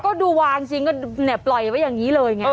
ก็ดูวางจริงแล้วก็แนบปล่อยไว้อย่างนี้เลย